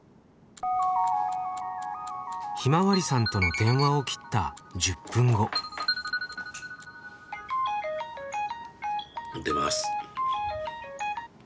ひまわりさんとの電話を切った出ます。